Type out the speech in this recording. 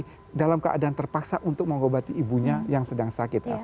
karena polisi dalam keadaan terpaksa untuk mengobati ibunya yang sedang sakit